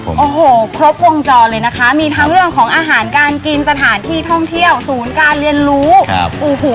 โอ้โหครบวงจรเลยนะคะมีทั้งเรื่องของอาหารการกินสถานที่ท่องเที่ยวศูนย์การเรียนรู้ครับโอ้โห